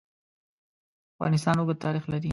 افغانستان اوږد تاریخ لري.